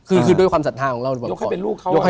คือด้วยความศรัทธาของเรา